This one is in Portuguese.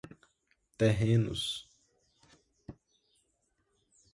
terrenos